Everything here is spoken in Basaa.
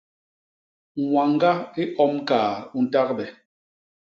Ñwañga i om kaat u ntagbe.